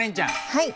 はい。